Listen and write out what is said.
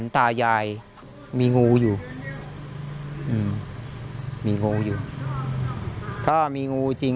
ใช้ไฟกันไม่ได้